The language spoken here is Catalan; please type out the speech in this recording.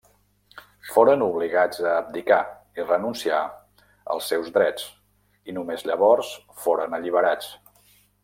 Foren obligats a abdicar i renunciar als seus drets i només llavors foren alliberats.